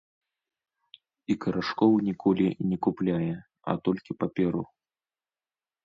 І карашкоў ніколі не купляе, а толькі паперу.